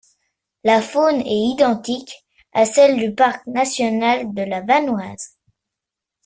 La faune est identique à celle du Parc national de la Vanoise.